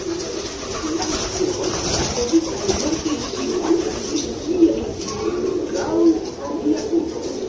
Laŭ spuroj malkovritaj ne for de ĝi montras ke tie ekzistis gaŭl-romia urbo.